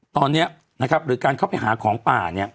ตอนนี้หรือการเข้าไปหาของป่า